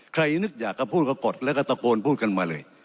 นึกอยากก็พูดก็กดแล้วก็ตะโกนพูดกันมาเลย